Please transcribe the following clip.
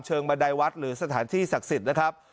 บันไดวัดหรือสถานที่ศักดิ์สิทธิ์นะครับ